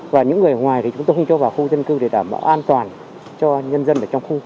và những người ở ngoài thì chúng tôi không cho vào khu dân cư để đảm bảo an toàn